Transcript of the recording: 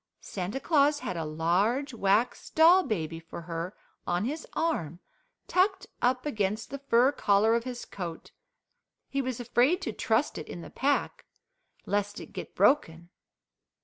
Santa Claus had a large wax doll baby for her on his arm, tucked up against the fur collar of his coat. He was afraid to trust it in the pack, lest it get broken.